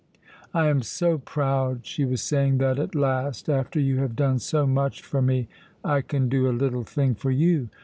"I am so proud," she was saying, "that at last, after you have done so much for me, I can do a little thing for you.